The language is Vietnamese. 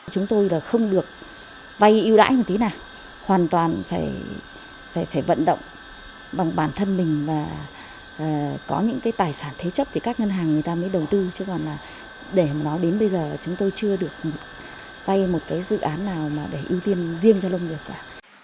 chúng tôi là không được vay ưu đãi một tí nào hoàn toàn phải vận động bằng bản thân mình và có những cái tài sản thế chấp thì các ngân hàng người ta mới đầu tư chứ còn là để nó đến bây giờ chúng tôi chưa được vay một cái dự án nào mà để ưu tiên riêng cho lông nghiệp cả